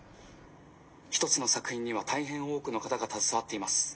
一つの作品には大変多くの方が携わっています。